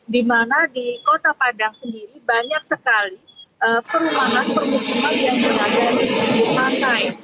di mana di kota padang sendiri banyak sekali perumahan permukiman yang berada di pantai